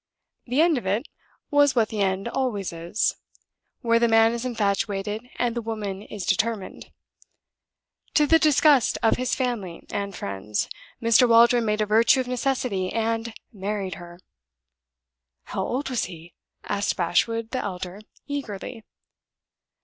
The end of it was what the end always is, where the man is infatuated and the woman is determined. To the disgust of his family and friends, Mr. Waldron made a virtue of necessity, and married her." "How old was he?" asked Bashwood the elder, eagerly.